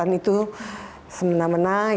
jadi kita harus mencari penyelesaian